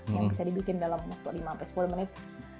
yang bisa dibikin dalam waktu lima sepuluh menit